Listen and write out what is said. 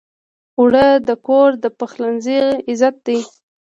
اوړه د کور د پخلنځي عزت دی